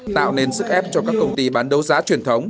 tạo nên sức ép cho các công ty bán đấu giá truyền thống